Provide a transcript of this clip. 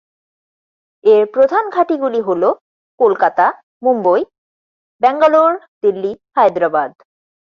এর প্রধান ঘাঁটি গুলি হলোঃ কলকাতা, মুম্বই, ব্যাঙ্গালোর, দিল্লি, হায়দ্রাবাদ।